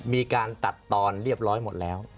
มีการตัดตอนเรียบร้อยหมดแล้ว